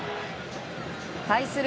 対する